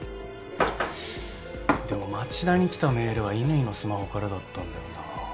でも町田に来たメールは乾のスマホからだったんだよな。